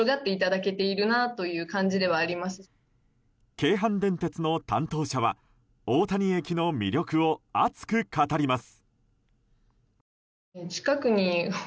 京阪電鉄の担当者は大谷駅の魅力を熱く語ります。